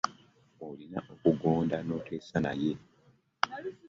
Olina okugonda noteesa naye.